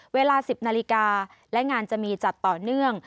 เวลา๑๐นาฬิกาและงานจะมีจัดต่อเนื่อง